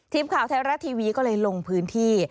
ทีมข่าวไทยรัฐทีวีก็เลยลงพื้นที่